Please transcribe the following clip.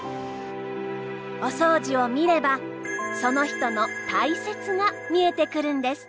お掃除を見ればその人の“大切”が見えてくるんです。